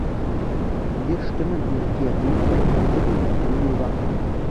Wir stimmen in der Diagnose der konkreten Probleme überein.